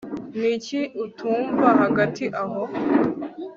niki utumva hagati aho